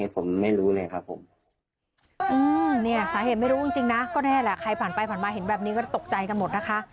ก็แน่แหละใครผ่านไปผ่านมาเห็นแบบนี้ก็ตกใจกันหมดนะคะ